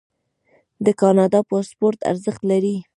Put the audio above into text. د کاناډا پاسپورت ارزښت لري.